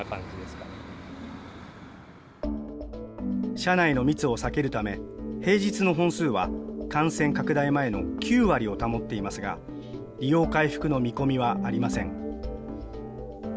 車内の密を避けるため、平日の本数は感染拡大前の９割を保っていますが、利用回復の見込みはありません。